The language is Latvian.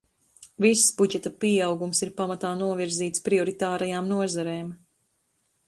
Viss budžeta pieaugums ir pamatā novirzīts prioritārajām nozarēm.